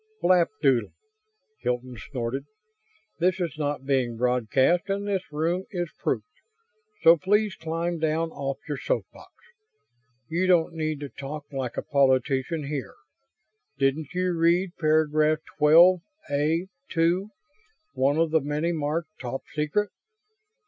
"Flapdoodle!" Hilton snorted. "This is not being broadcast and this room is proofed, so please climb down off your soapbox. You don't need to talk like a politician here. Didn't you read paragraph 12 A 2, one of the many marked 'Top Secret'?"